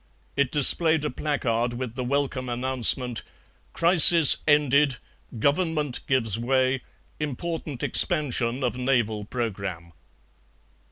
It displayed a placard with the welcome announcement: "Crisis ended. Government gives way. Important expansion of naval programme."